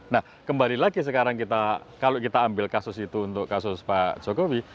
nah kembali lagi sekarang kita kalau kita ambil kasus itu untuk kasus pak jokowi